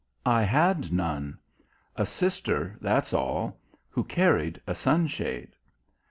"I had none. A sister, that's all who carried a sunshade."